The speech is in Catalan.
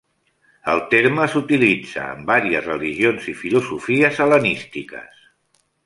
El terme s'utilitza en vàries religions i filosofies hel·lenístiques.